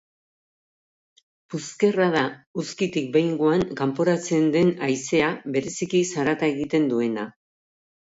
Puzkerra da uzkitik behingoan kanporatzen den haizea, bereziki zarata egiten duena